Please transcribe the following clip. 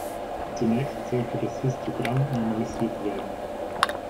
Zunächst sollte das Histogramm normalisiert werden.